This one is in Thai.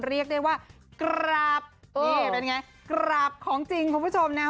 เรียกได้ว่ากราบนี่เป็นไงกราบของจริงคุณผู้ชมนะฮะ